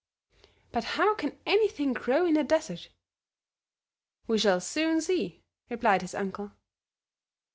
"But how can anything grow in a desert?" "We shall soon see," replied his uncle.